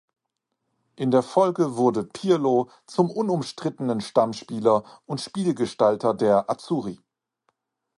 In der Folge wurde Pirlo zum unumstrittenen Stammspieler und Spielgestalter der "Azzurri".